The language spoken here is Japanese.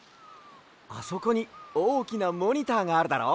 あそこにおおきなモニターがあるだろ。